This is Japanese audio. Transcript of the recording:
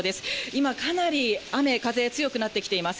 今、かなり雨、風、強くなってきています。